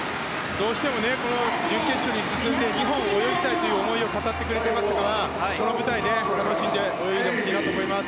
どうしても準決勝に進んで２本泳ぎたいという思いを語ってくれていましたからその舞台で楽しんで泳いでほしいなと思います。